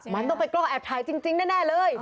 มันต้องไปกล้องแอบถ่ายจริงแน่เลย